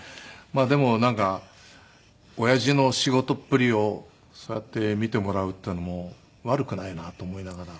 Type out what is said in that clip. でもなんか親父の仕事っぷりをそうやって見てもらうっていうのも悪くないなと思いながら。